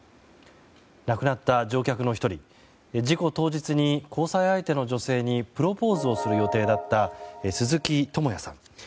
亡くなった乗客の１人事故当日、交際相手の女性にプロポーズをする予定だった鈴木智也さん。